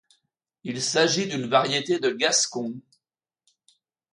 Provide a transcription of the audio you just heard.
Il s'agit d'une variété de Gascon.